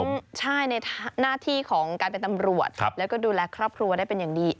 ใช่ในหน้าที่ของการเป็นตำรวจแล้วก็ดูแลครอบครัวได้เป็นอย่างดี